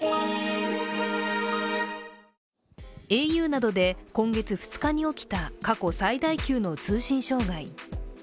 ａｕなどで今月２日に起きた過去最大級の通信障害。